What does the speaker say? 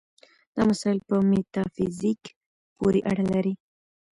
دا مسایل په میتافیزیک پورې اړه لري.